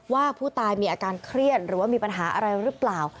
ว่าผู้ตายมีอาการเครียดหรือว่ามีปัญหาอะไรหรือเปล่า